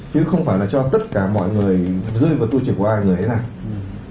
chứ không phải là cho tất cả mọi người rơi vào tù trưởng của ai người ấy nào